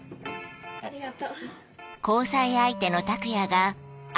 ありがとう。